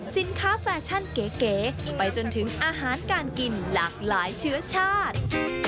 แฟชั่นเก๋ไปจนถึงอาหารการกินหลากหลายเชื้อชาติ